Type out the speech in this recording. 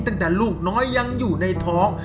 ตั้งแต่ลูกน้อยยังอยู่ในท้อง